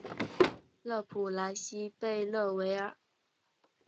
勒普莱西贝勒维尔。